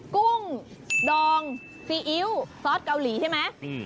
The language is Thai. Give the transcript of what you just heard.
กุ้งดองซีอิ๊วซอสเกาหลีใช่ไหม